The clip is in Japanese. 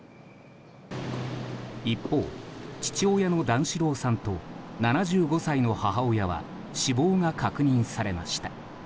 一方、父親の段四郎さんと７５歳の母親は死亡が確認されました。